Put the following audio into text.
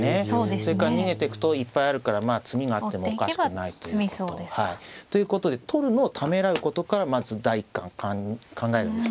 それから逃げてくといっぱいあるからまあ詰みがあってもおかしくないということ。ということで取るのをためらうことからまず第一感考えるんですね。